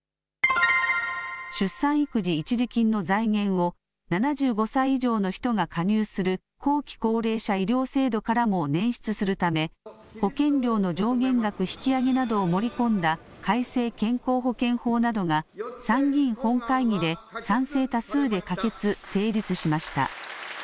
出産育児一時金の財源を、７５歳以上の人が加入する後期高齢者医療制度からも捻出するため、保険料の上限額引き上げなどを盛り込んだ改正健康保険法などが参議院本会議で賛成多数で可決・成立しました。